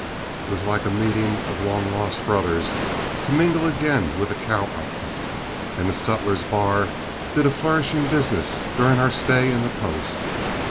It was like a meeting of long lost brothers to mingle again with a cow outfit, and the sutler's bar did a flourishing business during our stay in the post.